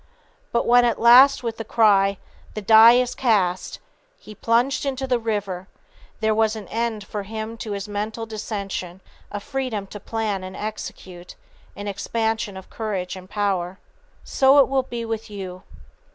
But when at last with the cry, "The die is cast!" he plunged into the river, there was an end for him to mental dissension, a freedom to plan and execute, an expansion of courage and power. [Sidenote: Conquering Indecision] So it will be with you.